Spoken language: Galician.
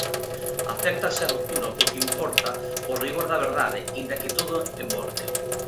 Acéptase a ruptura porque importa "o rigor da verdade inda que todo envorque".